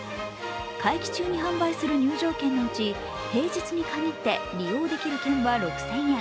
会期中に販売する入場券のうち平日にかぎって利用できる券は６０００円。